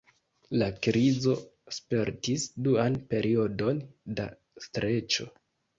La krizo spertis duan periodon da streĉo.